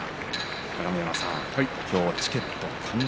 鏡山さん、今日はチケット完売